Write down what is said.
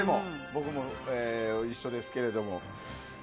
僕も一緒ですけれども。